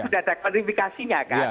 kalau ini kan sudah ada klarifikasinya kan